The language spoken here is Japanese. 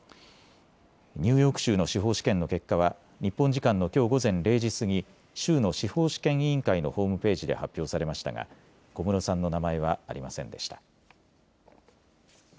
ニューヨーク州の司法試験の結果は日本時間のきょう午前０時過ぎ、州の司法試験委員会のホームページで発表されましたが小室さんの名前はありませんでした。